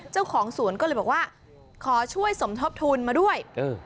เจ้าของสวนก็เลยบอกว่าขอช่วยสมทบทุนมาด้วย